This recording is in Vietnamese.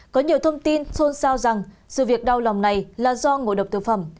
có nhiều thông tin xôn xao rằng sự việc đau lòng này là do ngộ độc thực phẩm